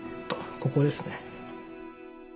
ここですね。